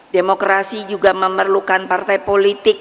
demokrasi juga memerlukan partai politik